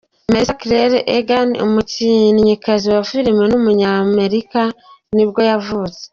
Melissa Claire Egan, umukinnyikazi wa film w’umunyamerika nibwo yavutse.